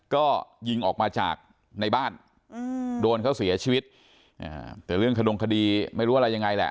ก็ยิงออกมาจากในบ้านโดนเขาเสียชีวิตแต่เรื่องขนงคดีไม่รู้อะไรยังไงแหละ